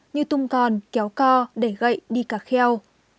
như tung con kéo co đẩy gậy đi cà kheo